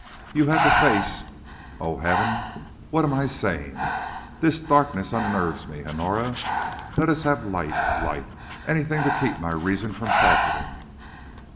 You had the face Oh, Heaven! what am I saying? This darkness unnerves me, Honora. Let us have light, light, anything to keep my reason from faltering."